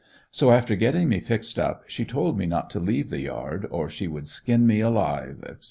So after getting me fixed up she told me not to leave the yard or she would skin me alive, etc.